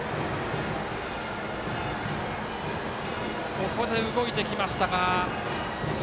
ここで動いてきましたが。